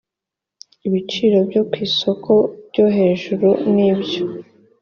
ibiciro byo ku isoko byo hejuru n ibyo